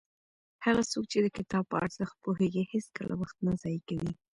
هغه څوک چې د کتاب په ارزښت پوهېږي هېڅکله وخت نه ضایع کوي.